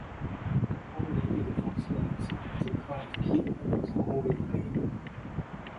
The family is considered to be the current Keeper of the Holy Grail.